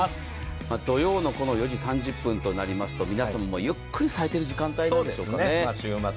土曜の午後４時３０分となると皆さんもゆっくりされている時間帯なんでしょうかね。